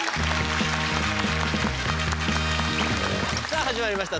さあ始まりました